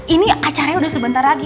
ini acaranya udah sebentar lagi